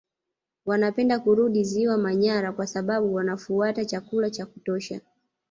Wanapenda kurudi Ziwa Manyara kwa sababu wanafuata chakula cha kutosha